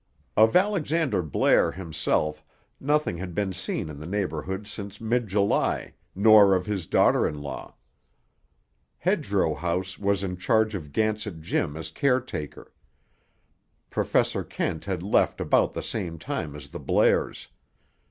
Of Alexander Blair himself, nothing had been seen in the neighborhood since mid July, nor of his daughter in law. Hedgerow House was in charge of Gansett Jim as caretaker. Professor Kent had left about the same time as the Blairs.